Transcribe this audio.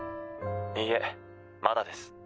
いいえまだです